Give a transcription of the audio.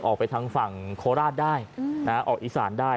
ออกไปทางฝั่งโคลาสได้อืมนะฮะออกอีสานได้